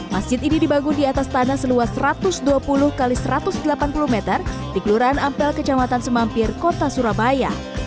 masjid ini dibangun di atas tanah seluas satu ratus dua puluh x satu ratus delapan puluh meter di kelurahan ampel kejamatan semampir kota surabaya